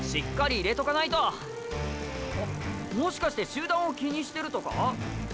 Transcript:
もしかして集団を気にしてるとか？